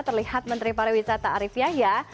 terlihat menteri pariwisata arief yahya